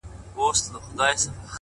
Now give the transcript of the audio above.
د ځناورو په خوني ځنگل کي_